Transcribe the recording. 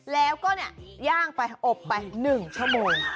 แล้วก็ย่างไปอบไป๑ชั่วโมง